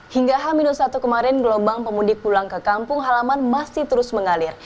hingga h satu kemarin gelombang pemudik pulang ke kampung halaman masih terus mengalir